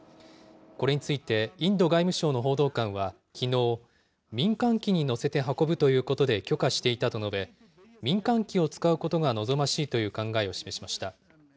これについて、インド外務省の報道官はきのう、民間機に載せて運ぶということで許可していたと述べ、民間機を使うことが望ましいという考えを示しました。